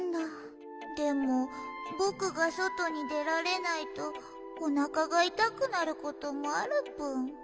でもぼくがそとにでられないとおなかがいたくなることもあるぷん。